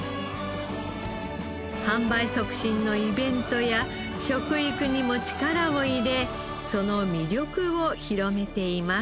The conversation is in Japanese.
販売促進のイベントや食育にも力を入れその魅力を広めています。